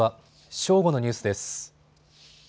正午のニュースです。